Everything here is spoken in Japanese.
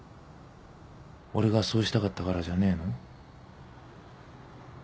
俺がそうしたかったからじゃねえの？